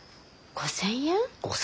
５，０００円？